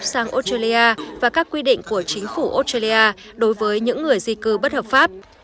hãy di cư sang australia và các quy định của chính phủ australia đối với những người di cư bất hợp pháp